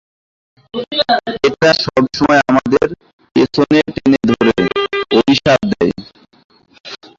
এটা সবসময় আমাদের পেছনে টেনে ধরে, অভিশাপ দেয়।